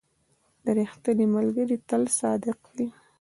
• ریښتینی ملګری تل صادق وي.